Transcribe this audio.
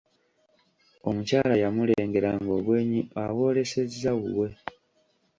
Omukyala yamulengera ng'obwenyi abw'olesezza wuwe.